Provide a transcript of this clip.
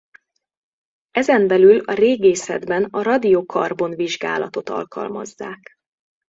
Ezen belül a régészetben a radiokarbon-vizsgálatot alkalmazzák.